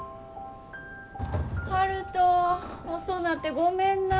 悠人遅なってごめんな。